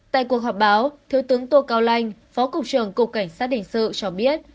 tại cuộc họp báo thiếu tướng tô cao lanh phó cục trưởng cục cảnh sát hình sự cho biết